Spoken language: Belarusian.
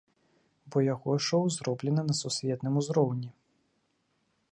Бо яго шоў зроблена на сусветным узроўні!